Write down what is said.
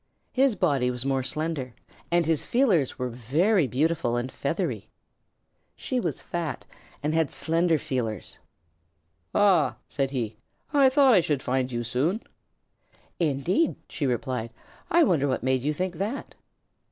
His body was more slender, and his feelers were very beautiful and feathery. She was fat and had slender feelers. "Ah!" said he. "I thought I should find you soon." "Indeed?" she replied. "I wonder what made you think that?"